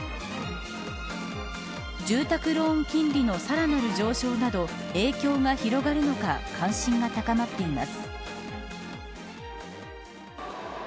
住宅ローン金利のさらなる上昇など影響が広がるのか関心が高まっています。